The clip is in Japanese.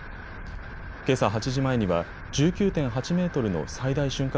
けさ８時前には１９．８メートルの最大瞬間